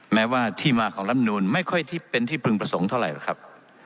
แม้ว่าที่มาของลำนูนไม่ค่อยที่เป็นที่พึงประสงค์เท่าไหร่ครับ